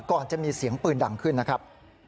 ก่อนจะมีเสียงปืนดังขึ้นนะครับ